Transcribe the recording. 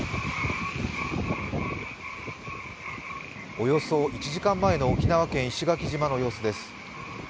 およそ１時間前の沖縄県石垣島の様子です。